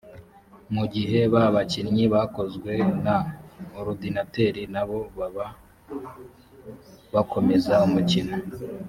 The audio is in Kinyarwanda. mu gihe ba bakinnyi bakozwe na orudinateri na bo baba bakomeza umukino